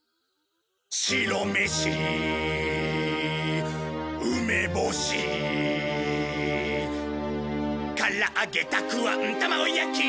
「白飯梅干し」「から揚げたくあん卵焼き」